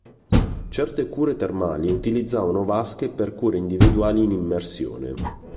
Certe cure termali utilizzavano vasche per cure individuali in immersione.